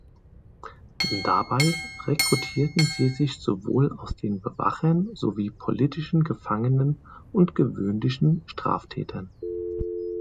Dabei rekrutierten sie sich sowohl aus den Bewachern sowie politischen Gefangenen und gewöhnlichen Straftätern.